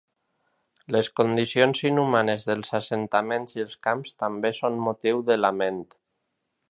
Les condicions inhumanes dels assentaments i els camps també són motiu de lament.